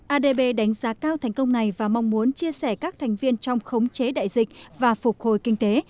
adb đánh giá cao thành công này và mong muốn chia sẻ các thành viên trong khống chế đại dịch và phục hồi kinh tế